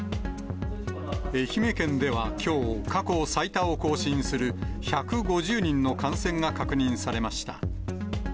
愛媛県ではきょう、過去最多を更新する１５０人の感染が確認されました。